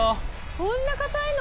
こんなかたいの？